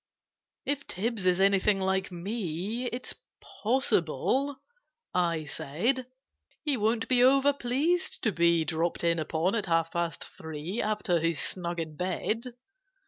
"If Tibbs is anything like me, It's possible," I said, "He won't be over pleased to be Dropped in upon at half past three, After he's snug in bed.